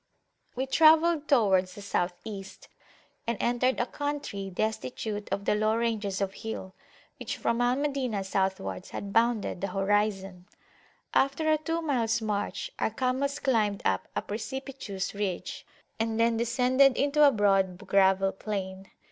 We travelled towards the South East, and entered a country destitute of the low ranges of hill, which from Al Madinah southwards had bounded the horizon. After [p.131] a two miles march our camels climbed up a precipitous ridge, and then descended into a broad gravel plain.